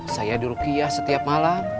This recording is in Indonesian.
saya di rukiah setiap malam